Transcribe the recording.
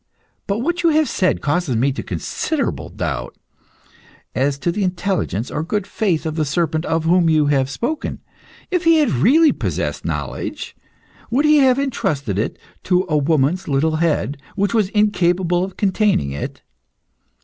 But what you have said causes me considerable doubt as to the intelligence or good faith of the serpent of whom you have spoken. If he had really possessed knowledge, would he have entrusted it to a woman's little head, which was incapable of containing it?